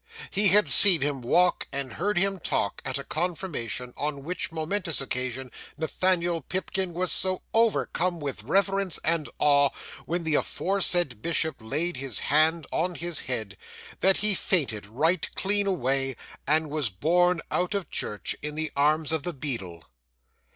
He had seen him walk, and heard him talk, at a confirmation, on which momentous occasion Nathaniel Pipkin was so overcome with reverence and awe, when the aforesaid bishop laid his hand on his head, that he fainted right clean away, and was borne out of church in the arms of the beadle.